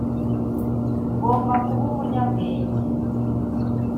ngomba kuba umunyabwenge